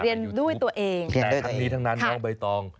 เรียนด้วยตัวเองเรียนด้วยตัวเองแม้ทั้งนี้ทั้งนั้นน้องใบตอง